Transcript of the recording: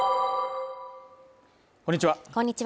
こんにちは